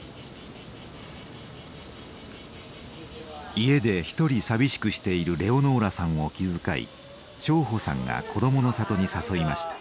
家で１人寂しくしているレオノーラさんを気遣い荘保さんが「こどもの里」に誘いました。